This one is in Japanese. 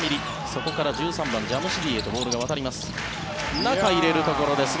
そこから１３番ジャムシディへと渡ります。